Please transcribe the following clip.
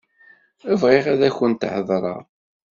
Bɣiɣ ad akent-heḍṛeɣ.